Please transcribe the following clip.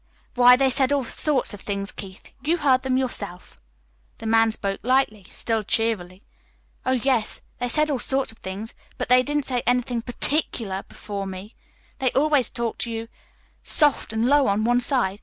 "Why, they said all sorts of things, Keith. You heard them yourself." The man spoke lightly, still cheerily. "Oh, yes, they said all sorts of things, but they didn't say anything PARTICULAR before me. They always talked to you soft and low on one side.